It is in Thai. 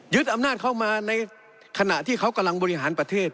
อำนาจเข้ามาในขณะที่เขากำลังบริหารประเทศ